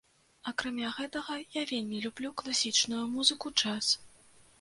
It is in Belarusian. Акрамя гэтага я вельмі люблю класічную музыку, джаз.